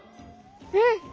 うん。